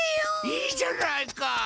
いいじゃないか！